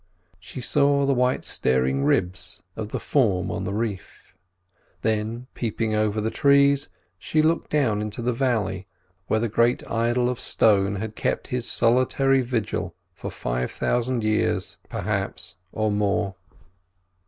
She saw the white staring ribs of the form on the reef. Then, peeping over the trees, she looked down into the valley, where the great idol of stone had kept its solitary vigil for five thousand years, perhaps, or more.